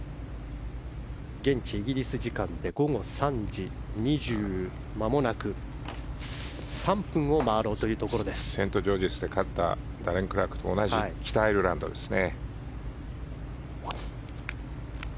現地イギリス時間で午後３時２３分をセントジョージズで勝ったダレン・クラークと同じ北アイルランドですね。